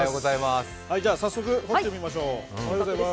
早速掘ってみましょう。